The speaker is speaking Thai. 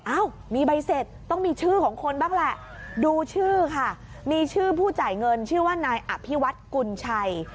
เอ้ามีใบเสร็จต้องมีชื่อของคนบ้างแหละดูชื่อค่ะมีชื่อผู้จ่ายเงินชื่อว่านายอภิวัฒน์กุญชัย